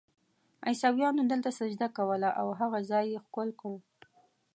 عیسویانو دلته سجده کوله او هغه ځای یې ښکل کړ.